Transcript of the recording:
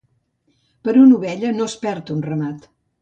Per una ovella no es perd un ramat.